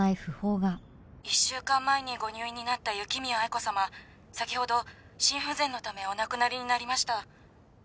「１週間前にご入院になった雪宮愛子様先ほど心不全のためお亡くなりになりました」